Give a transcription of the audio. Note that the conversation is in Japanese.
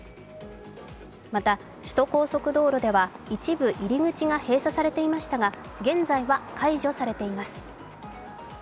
また首都高速道路では一部入り口が閉鎖されていましたが現在は解除されています。